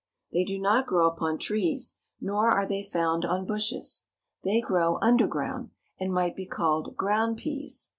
They do not grow upon trees, nor are they found on bushes. They grow underground, and might be called ground pease.